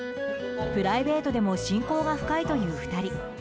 プライベートでも親交が深いという２人。